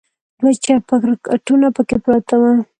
دوه چپرکټونه پکې پراته و.